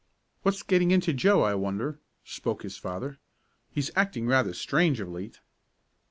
"What's getting into Joe, I wonder?" spoke his father. "He's acting rather strange of late."